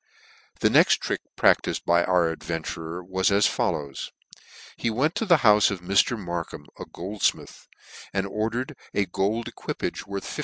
The next trick practifed by our adventurer was as follows : he went to the houfe of Mr. Markham, a goldfmith, and ordered a gold equipage worth 50!.